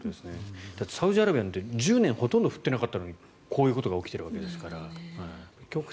サウジアラビアなんて１０年ほとんど降っていないのにこういうことが起きているわけですから。